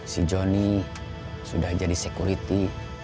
si joni sudah jadi security